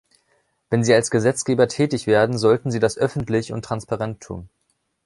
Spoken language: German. Wenn sie als Gesetzgeber tätig werden, sollten sie das öffentlich und transparent tun.